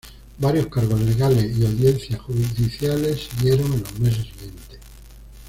Varios cargos legales y audiencias judiciales siguieron en los meses siguientes.